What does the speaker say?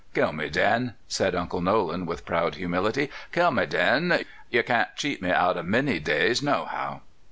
"Kill me, den," said Uncle Nolan, with proud humility; "kill me, den; 3^er can't cheat me out uv many days, nohow."